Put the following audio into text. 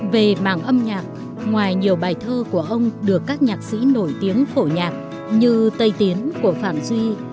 về mảng âm nhạc ngoài nhiều bài thơ của ông được các nhạc sĩ nổi tiếng phổ nhạc như tây tiến của phạm duy